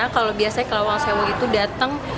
kalau biasanya kerawang sewu itu datang